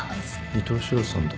伊東四朗さんだ。